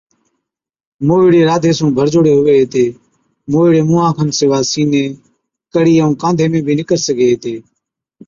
موهِيڙي راڌي سُون ڀرجوڙي هُوي هِتي، موهِيڙي مُونها کن سِوا سِيني، ڪَڙِي، ائُون ڪانڌي ۾ بِي نِڪر سِگھي هِتي۔